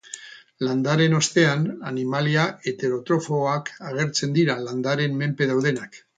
Landareen ostean, animalia heterotrofoak agertzen dira, landareen menpe daudenak.